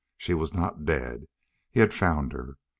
She was not dead. He had found her.